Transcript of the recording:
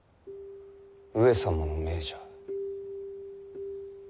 上様の命じゃ。